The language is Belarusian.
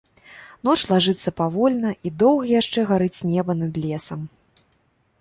Ноч лажыцца павольна, і доўга яшчэ гарыць неба над лесам.